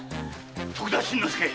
徳田新之助！？